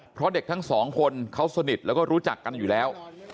เพราะเด็กทั้งสองคนเขาสนิทแล้วก็รู้จักกันอยู่แล้ว